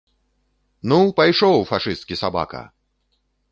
Ну, пайшоў, фашысцкі сабака!